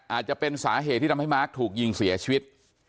อาจจะเป็นสาเหตุที่ทำให้มาร์คถูกยิงเสียชีวิต